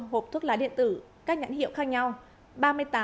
một trăm bảy mươi bốn hộp thuốc lá điện tử các nhãn hiệu khác nhau